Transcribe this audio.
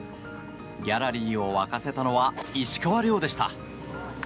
ギャラリーを沸かせたのは石川遼でした。